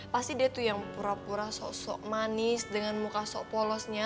pasti dia tuh yang pura pura sosok manis dengan muka sok polosnya